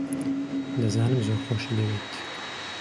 دەزانم زۆر خۆشی دەوێیت.